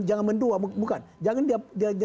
jangan mendua bukan jangan dia